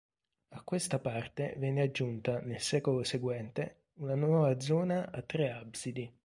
A questa parte venne aggiunta, nel secolo seguente, una nuova zona a tre absidi.